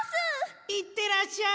いってらっしゃい！